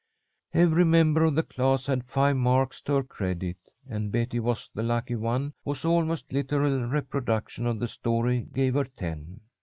Every member of the class had five marks to her credit, and Betty was the lucky one whose almost literal reproduction of the story gave her ten.